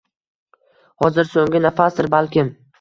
Hozir soʻnggi nafasdir balkim.